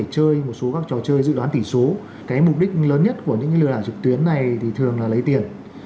cái mục đích lớn nhất của những lừa đảo trực tuyến này thì thường là lấy tiền